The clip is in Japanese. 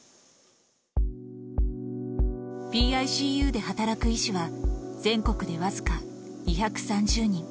ＰＩＣＵで働く医師は、全国で僅か２３０人。